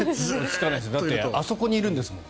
だってあそこにいるんですもん。